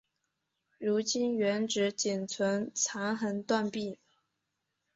如今原址仅存残垣断壁。